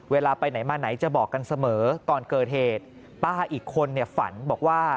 เวลาไปไหนมาไหนจะบอกกันเสมอก่อนเกิดเหตุป้าอีกคนเนี่ยฝันบอกว่า